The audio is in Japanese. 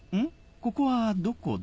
ここはどこだ？